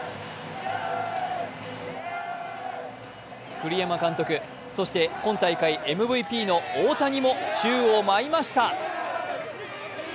栗山監督、そして今大会ＭＶＰ大谷も宙を舞いました。